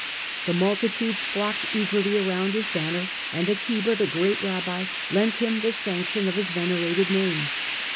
The multitudes flocked eagerly around his banner, and Akiba, the great rabbi, lent him the sanction of his venerated name.